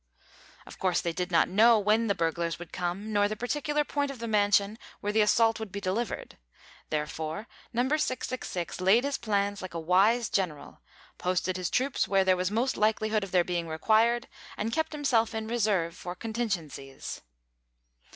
Of course they did not know when the burglars would come, nor the particular point of the mansion where the assault would be delivered; therefore Number 666 laid his plans like a wise general, posted his troops where there was most likelihood of their being required, and kept himself in reserve for contingencies.